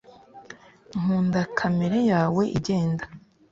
nkunda kamere yawe igenda